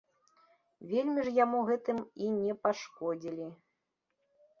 Вельмі ж яму гэтым і не пашкодзілі.